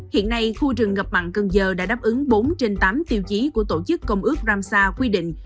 hiện nay khu rừng ngập mặn cần giờ đã đáp ứng bốn trên tám tiêu chí của tổ chức công ước ramsar quy định